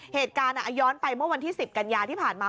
เหตุการณ์ย้อนไปเมื่อวันที่๑๐กันยาที่ผ่านมา